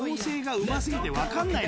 うま過ぎて分かんない。